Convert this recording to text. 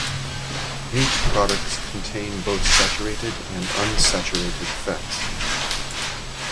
Meat products contain both saturated and unsaturated fats.